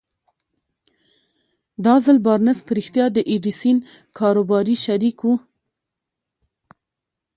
دا ځل بارنس په رښتيا د ايډېسن کاروباري شريک و.